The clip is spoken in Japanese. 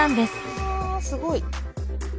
うわすごい。